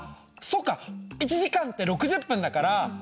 １時間って６０分だから６０個！